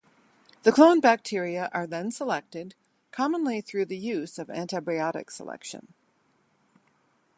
The cloned bacteria are then selected, commonly through the use of antibiotic selection.